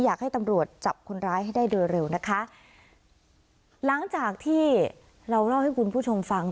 อยากให้ตำรวจจับคนร้ายให้ได้โดยเร็วนะคะหลังจากที่เราเล่าให้คุณผู้ชมฟัง